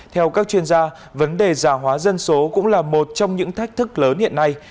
theo các chuyên gia vấn đề giả hóa dân số cũng là một trong những thách thức lớn hiện nay